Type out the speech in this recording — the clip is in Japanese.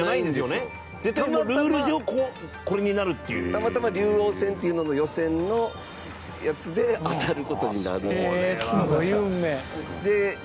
たまたま竜王戦っていうのの予選のやつで当たる事になる。